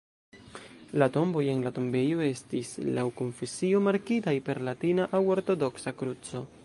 La tomboj en la tombejo estis laŭ konfesio markitaj per latina aŭ ortodoksa kruco.